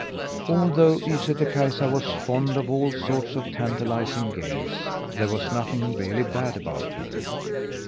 Although Ysätter Kaisa was fond of all sorts of tantalizing games, there was nothing really bad about her.